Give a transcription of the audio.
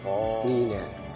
いいねえ。